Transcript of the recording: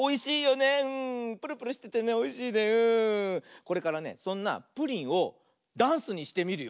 これからねそんなプリンをダンスにしてみるよ。